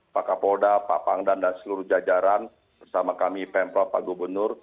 pak kapolda pak pangdam dan seluruh jajaran bersama kami pemprov pak gubernur